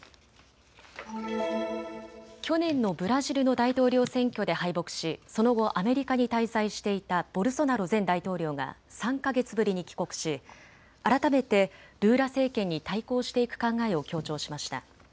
去年のブラジルの大統領選挙で敗北しその後、アメリカに滞在していたボルソナロ前大統領が３か月ぶりに帰国し改めてルーラ政権に対抗していく考えを強調しました。